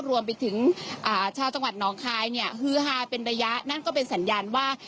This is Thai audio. รวมไปถึงชาวจังหวัดหนองคายเนี่ยฮือฮาเป็นระยะนั่นก็เป็นสัญญาณว่า